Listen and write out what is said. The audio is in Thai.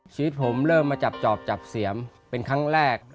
ชีวิตผมเริ่มมาจับจอบจับเสียมเป็นครั้งแรก